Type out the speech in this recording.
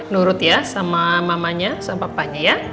nurut ya sama mamanya sama papanya ya